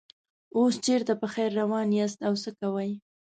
اوس چېرته په خیر روان یاست او څه کوئ.